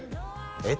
「えっ？」